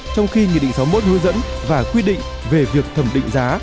trong khi nghị định sáu mươi một hướng dẫn và quy định về việc thẩm định giá